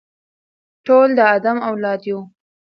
ټول د آدم اولاد یو.